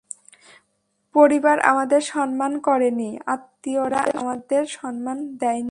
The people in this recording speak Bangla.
পরিবার আমাদের সম্মান করেনি, আত্মীয়রা আমাদের সম্মান দেয় নি।